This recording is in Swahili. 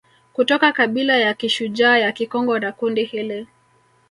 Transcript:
Kutoka kabila ya kishujaa ya Kikongo na kundi hili